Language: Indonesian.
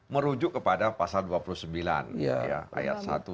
merujuk kepada pasal dua puluh sembilan ayat satu